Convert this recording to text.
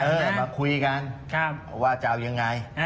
มาคุยกันว่าจะเอายังไง